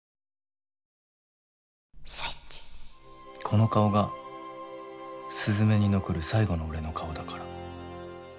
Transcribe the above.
この顔が鈴愛に残る最後の俺の顔だから。